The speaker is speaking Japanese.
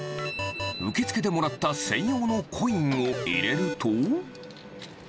受付でもらった専用のコインを入れると。